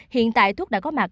hiện tại thuốc đã có mặt